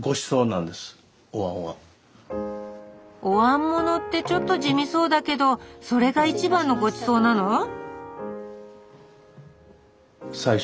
「おわんもの」ってちょっと地味そうだけどそれが一番のごちそうなの？